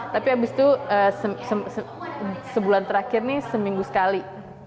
tapi abis itu sebulan terakhir nih seminggu sekali